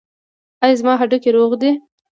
ایا زما هډوکي روغ دي؟